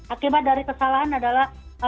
akibat dari kesalahan adalah